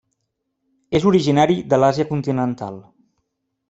És originari de l'Àsia continental.